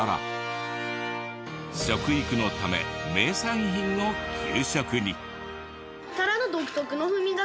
食育のため名産品を給食に。